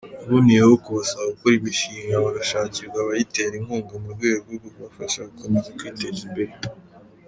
Yaboneyeho kubasaba gukora imishinga bagashakirwa abayitera inkunga mu rwego rwo kubafasha gukomeza kwiteza imbere.